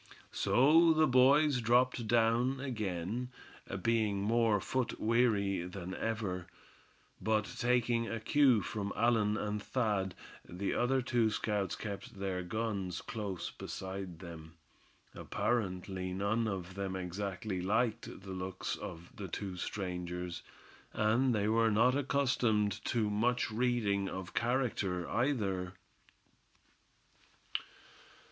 So the boys dropped down again, being more foot weary than ever. But taking a cue from Allan and Thad, the other two scouts kept their guns close beside them. Apparently none of them exactly liked the looks of the two strangers; and they were not accustomed to much reading of character, either.